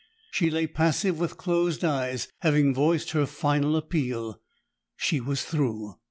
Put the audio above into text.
She lay passive with closed eyes; having voiced her final appeal, she was through.